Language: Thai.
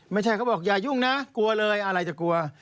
เขาบอกอย่ายุ่งนะกลัวเลยอะไรจะกลัว